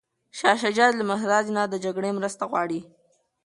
شاه شجاع له مهاراجا نه د جګړې مرسته غواړي.